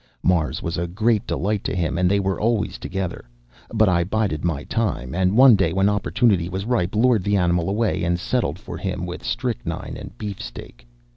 Mars was a great delight to him, and they were always together. But I bided my time, and one day, when opportunity was ripe, lured the animal away and settled for him with strychnine and beefsteak.